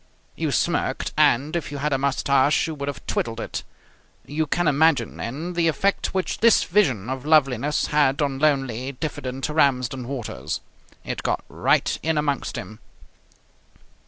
You smirked and, if you had a moustache, you would have twiddled it. You can imagine, then, the effect which this vision of loveliness had on lonely, diffident Ramsden Waters. It got right in amongst him.